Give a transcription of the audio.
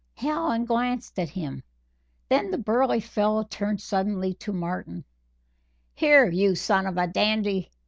Hallen glanced at him. Then the burly fellow turned suddenly to Martin: "Here, you son of a dandy!"